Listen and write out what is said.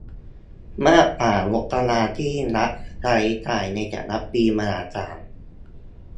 มากกว่างบประมาณที่รัฐใช้จ่ายในแต่ละปีมหาศาล